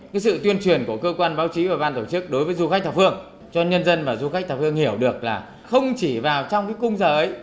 cái sự tuyên truyền của cơ quan báo chí và ban tổ chức đối với du khách thập phương cho nhân dân và du khách thập hương hiểu được là không chỉ vào trong cái cung giờ ấy